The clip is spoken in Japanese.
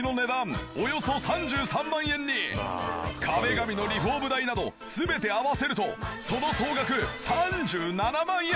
およそ３３万円に壁紙のリフォーム代など全て合わせるとその総額３７万円！